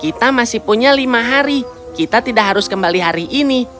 kita masih punya lima hari kita tidak harus kembali hari ini